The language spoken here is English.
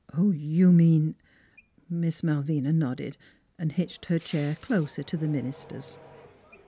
"You mean ?" Miss Malvina nodded and hitched her chair closer to the minister's.